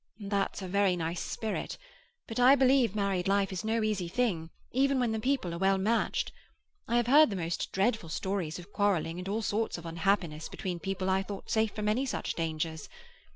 "That's a very nice spirit; but I believe married life is no easy thing even when the people are well matched. I have heard the most dreadful stories of quarrelling and all sorts of unhappiness between people I thought safe from any such dangers.